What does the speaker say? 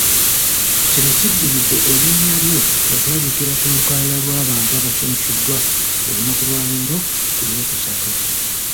Kino kiddiridde erinnya lye okulabikira ku lukalala lw'abantu abasunsuddwa olunaku lwaleero ku Lw'okusatu.